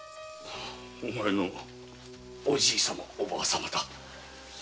お前のおじぃさまおばぁさまのだ。